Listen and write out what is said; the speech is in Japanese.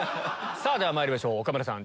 ではまいりましょう岡村さん。